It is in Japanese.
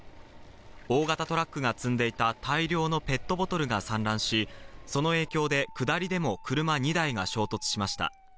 大型トラックが積んでいた大量のペットボトルが散乱し、その影響で、下りでも車２台が衝突しました。